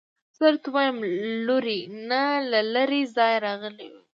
څه درته ووايم لورې نه له لرې ځايه راغلي يو.